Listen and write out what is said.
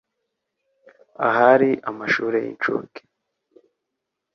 ahari amashuri y incuke